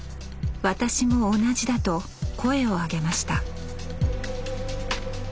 私も同じだと声を上げました